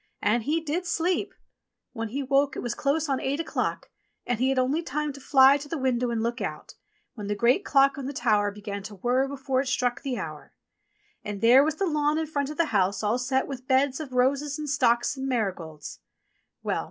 And he did sleep ! When he woke it was close on eight o'clock, and he had only time to fly to the window and look out, when the great clock on the tower began to whirr before it struck the hour. And there was the lawn in front of the house all set with beds of roses and stocks and marigolds ! Well